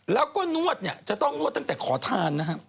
แล้วก็นวดเนี่ยจะต้องนวดตั้งแต่ขอทานนะครับ